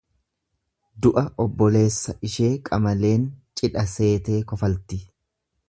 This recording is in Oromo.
Du'a obboleessa ishee qamaleen cidha seetee kofalti.